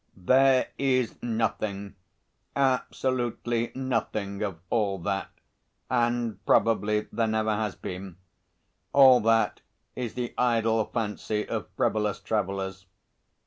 "There is nothing, absolutely nothing of all that, and probably there never has been. All that is the idle fancy of frivolous travellers.